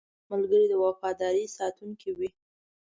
ملګری د وفادارۍ ساتونکی وي